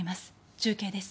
中継です。